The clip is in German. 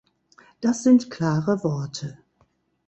Das sind klare Worte.